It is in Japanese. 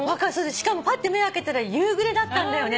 しかもぱって目開けたら夕暮れだったんだよね。